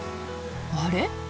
あれ？